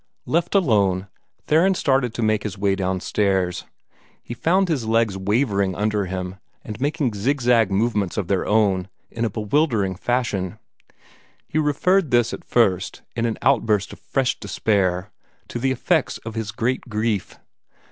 Left alone, Theron started to make his way downstairs. He found his legs wavering under him and making zigzag movements of their own in a bewildering fashion. He referred this at first, in an outburst of fresh despair, to the effects of his great grief.